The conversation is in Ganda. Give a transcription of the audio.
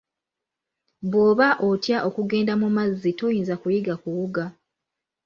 Bw'oba otya okugenda mu mazzi toyinza kuyiga kuwuga.